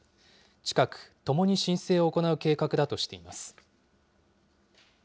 近く、ともに申請を行う計画だとしています。